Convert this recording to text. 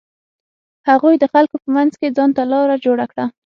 هغې د خلکو په منځ کښې ځان ته لاره جوړه کړه.